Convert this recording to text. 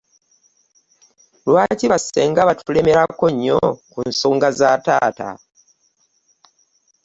Lwaki ba senga batulemerako nnyo ku nsonga za taata?